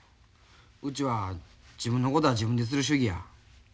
うちは自分のことは自分でする主義や。